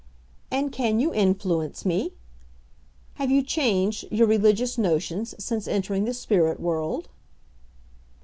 "And can you influence me?" "Have you changed your religious notions since entering the spirit world?"